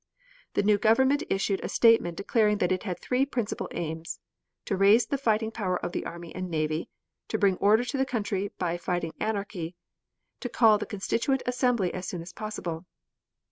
The new government issued a statement declaring that it had three principal aims: to raise the fighting power of the army and navy; to bring order to the country by fighting anarchy; to call the Constituent Assembly as soon as possible.